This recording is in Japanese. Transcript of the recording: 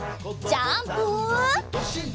ジャンプ！